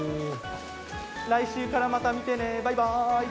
来週からまた見てね、バイバイ！